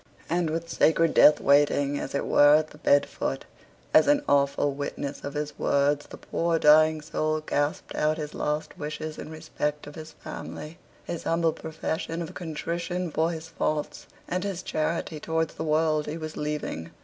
And with sacred Death waiting, as it were, at the bed foot, as an awful witness of his words, the poor dying soul gasped out his last wishes in respect of his family; his humble profession of contrition for his faults; and his charity towards the world he was leaving.